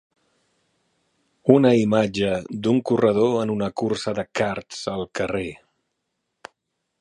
Una imatge d'un corredor en una cursa de karts al carrer.